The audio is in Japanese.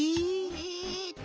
えっと。